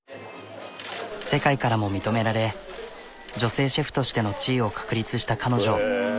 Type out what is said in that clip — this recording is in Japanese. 世界からも認められ女性シェフとしての地位を確立した彼女。